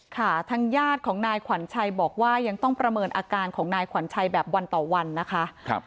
ค่ะทางญาติของนายขวัญชัยบอกว่ายังต้องประเมินอาการของนายขวัญชัยแบบวันต่อวันนะคะ